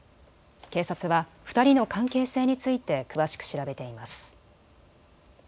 警察は２人の関係性について詳しく調べています。